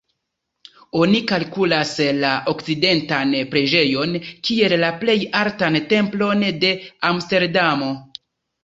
Oni kalkulas la Okcidentan preĝejon kiel la plej altan templon de Amsterdamo.